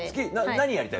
何やりたい？